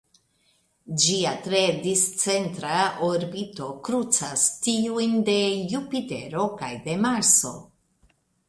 Ĝia tre discentra orbito krucas tiujn de Jupitero kaj de Marso.